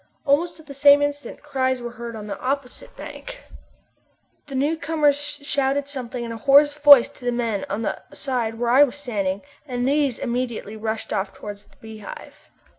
Almost at the same instant cries were heard on the opposite bank. The newcomers shouted something in a hoarse voice to the men on the side where I was standing, and these immediately rushed off towards the Beehive.